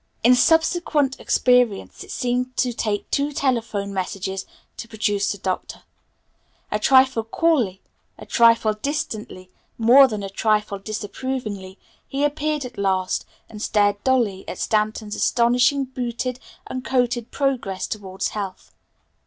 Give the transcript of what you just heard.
In subsequent experience it seemed to take two telephone messages to produce the Doctor. A trifle coolly, a trifle distantly, more than a trifle disapprovingly, he appeared at last and stared dully at Stanton's astonishing booted and coated progress towards health.